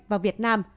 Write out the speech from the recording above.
vào việt nam